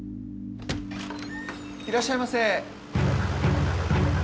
いらっしゃいませ。